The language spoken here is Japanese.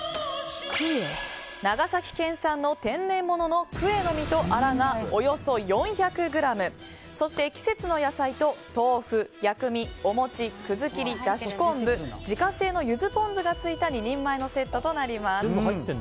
長崎県産の天然物のクエの身とアラがおよそ４００ｇそして、季節の野菜と豆腐薬味、お餅、くずきり、だし昆布自家製のゆずポン酢がついた２人前のセットとなります。